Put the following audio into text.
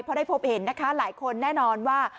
พอได้พบเห็นนะคะหลายคนแน่นอนว่า